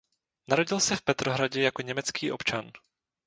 Narodil se v Petrohradě jako německý občan.